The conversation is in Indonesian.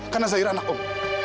karena zahira anak om